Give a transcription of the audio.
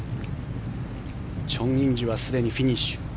チョン・インジはすでにフィニッシュ。